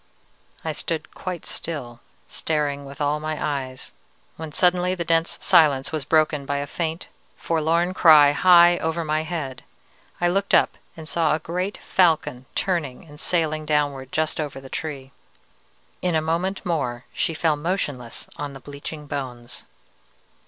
"I stood quite still, staring with all my eyes, when suddenly the dense silence was broken by a faint, forlorn cry high over my head. I looked up and saw a great falcon turning and sailing downward just over the tree. In a moment more she fell motionless on the bleaching bones.